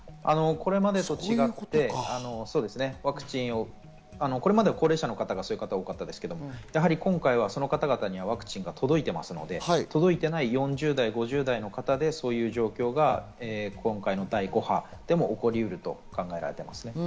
これまでと違って、これまでは高齢者の方がそういう方が多かったですけど、今回はその方々にワクチンが届いていますので、届いていない４０代、５０代の方でそういう状況が今回の第５波でも起こりうると考えられます。